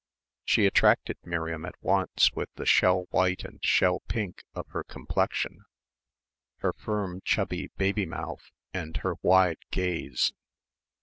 She attracted Miriam at once with the shell white and shell pink of her complexion, her firm chubby baby mouth and her wide gaze.